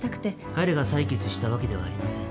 彼が裁決したわけではありません。